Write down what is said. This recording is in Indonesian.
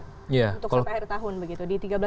untuk sampai akhir tahun begitu